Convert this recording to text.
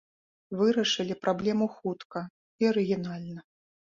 Вырашылі праблему хутка і арыгінальна.